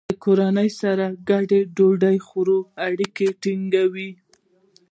د کورنۍ سره ګډه ډوډۍ خوړل اړیکې ټینګوي.